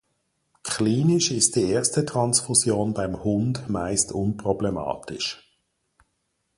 Klinisch ist die erste Transfusion beim Hund meist unproblematisch.